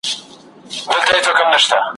او پر جنازو بار سوي ورځي پای ته نه رسیږي ,